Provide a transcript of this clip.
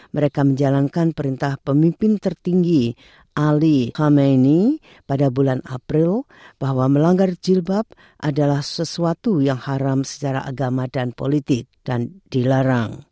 mereka menjalankan perintah pemimpin tertinggi ali khamenei pada bulan april bahwa melanggar jilbab adalah sesuatu yang haram secara agama dan politik dan dilarang